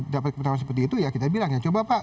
dapat penawaran seperti itu ya kita bilang ya coba pak